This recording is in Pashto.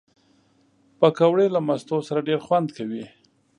پکورې له مستو سره ډېر خوند کوي